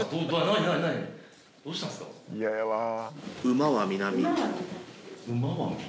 馬は南。